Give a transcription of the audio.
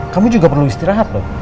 kamu juga perlu istirahat loh